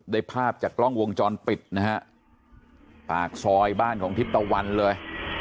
ได้ภาพจากกล้องวงจรปิดนะฮะปากซอยบ้านของทิศตะวันเลย